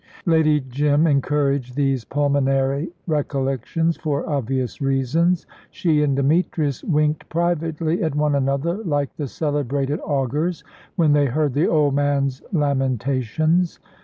Lady Jim encouraged these pulmonary recollections for obvious reasons. She and Demetrius winked privately at one another like the celebrated augurs, when they heard the old man's lamentations.